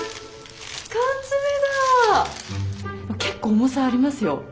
結構重さありますよ。